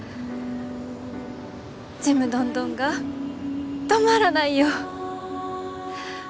ちむどんどんが止まらないよ。